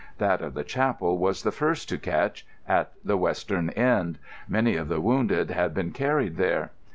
That of the chapel was the first to catch, at the western end. Many of the wounded had been carried there.